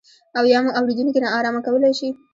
او یا مو اورېدونکي نا ارامه کولای شي.